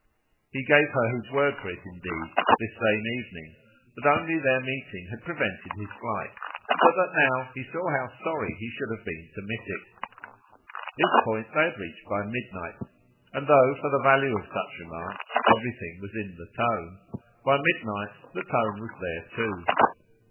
He gave her his word for it indeed, this same evening, that only their meeting had prevented his flight, but that now he saw how sorry he should have been to miss it. This point they had reached by midnight, and though for the value of such remarks everything was in the tone, by midnight the tone was there too.